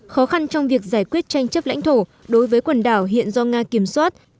khó khăn trong việc giải quyết tranh chấp lãnh thổ đối với quần đảo hiện do nga kiểm soát